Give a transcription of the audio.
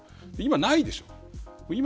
今、ないでしょ。